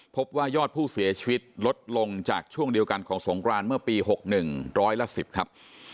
พบว่ายอดผู้เสียชีวิตลดลงจากช่วงเดียวกันของสงครานเมื่อปี๖๑ร้อยละ๑๐ครับ